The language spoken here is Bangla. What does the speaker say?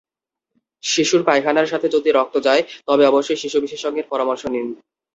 শিশুর পায়খানার সঙ্গে যদি রক্ত যায়, তবে অবশ্যই শিশুবিশেষজ্ঞের পরামর্শ নিন।